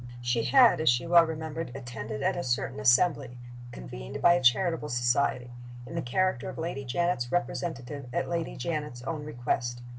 She had, as she well remembered, attended at a certain assembly (convened by a charitable society) in the character of Lady Janet's representative, at Lady Janet's own request.